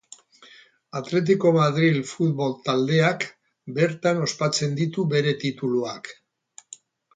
Atletiko Madril futbol taldeak, bertan ospatzen ditu bere tituluak.